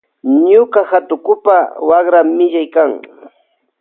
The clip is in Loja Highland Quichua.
Ñuka hatukupa wakra millaykan.